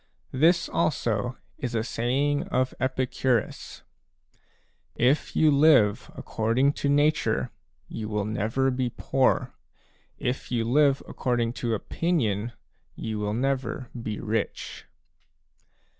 — This also is a saying of Epicurus": "If you live according to nature, you will never be poor ; if you live according to opinion, you will never be rich."